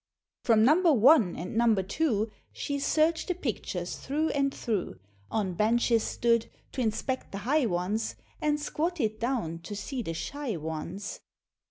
From number one and number two, She searched the pictures through and through, On benches stood, to inspect the high ones, And squatted down to see the shy ones.